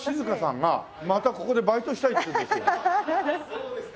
そうですか。